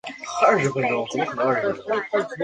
帕肯球场位于丹麦哥本哈根的足球运动场。